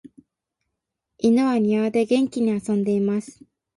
犬は庭で元気に遊んでいます。